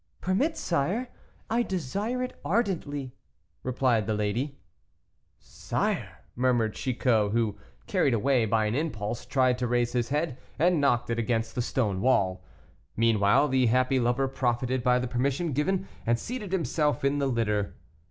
"Permit, sire; I desire it ardently," replied the lady. "Sire!" murmured Chicot, who, carried away by an impulse, tried to raise his head, and knocked it against the stone wall. Meanwhile the happy lover profited by the permission given, and seated himself in the litter.